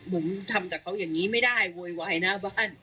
ผมทำกับเขาอย่างนี้ไม่ได้โวยวายหน้าบ้าน